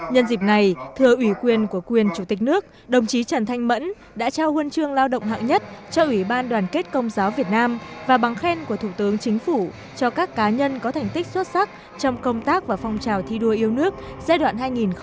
nhân dịp này thưa ủy quyền của quyền chủ tịch nước đồng chí trần thanh mẫn đã trao huân chương lao động hạng nhất cho ủy ban đoàn kết công giáo việt nam và bằng khen của thủ tướng chính phủ cho các cá nhân có thành tích xuất sắc trong công tác và phong trào thi đua yêu nước giai đoạn hai nghìn một mươi năm hai nghìn hai mươi